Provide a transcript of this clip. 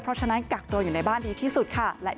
เพราะฉะนั้นกักตัวอยู่ในบ้านดีที่สุดค่ะ